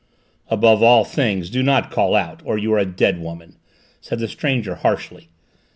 "Above all things, do not call out, or you are a dead woman!" said the stranger harshly.